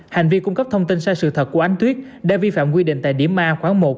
hành vi cung cấp thông tin sai sự thật của ánh tuyết đã vi phạm quy định tại điểm a khoảng một